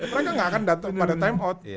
mereka nggak akan datang pada time out